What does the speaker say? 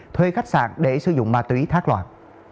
thuê khách sạn để sử dụng ma túy thác loại